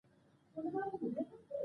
توري په مورفي کې یو شی دي.